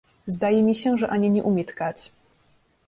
Zdaje mi się, że Ania nie umie tkać!